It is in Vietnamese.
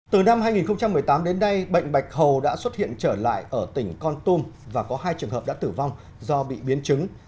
từ năm hai nghìn một mươi tám đến nay bệnh bạch hầu đã xuất hiện trở lại ở tỉnh con tum và có hai trường hợp đã tử vong do bị biến chứng